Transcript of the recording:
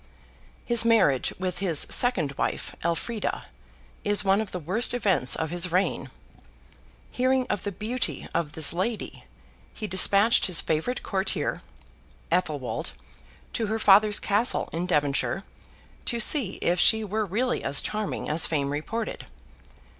His marriage with his second wife, Elfrida, is one of the worst events of his reign. Hearing of the beauty of this lady, he despatched his favourite courtier, Athelwold, to her father's castle in Devonshire, to see if she were really as charming as fame reported.